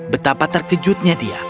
betapa terkejutnya dia